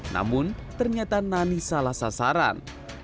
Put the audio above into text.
namun ternyata nani salah sasaran